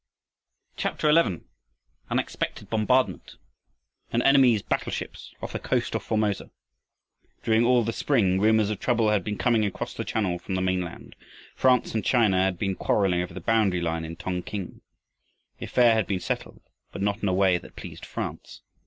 CHAPTER XI. UNEXPECTED BOMBARDMENT An enemy's battle ships off the coast of Formosa! During all the spring rumors of trouble had been coming across the channel from the mainland. France (*) and China had been quarreling over a boundaryline in Tongking. The affair had been settled but not in a way that pleased France.